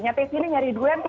nyaris ini nyari durian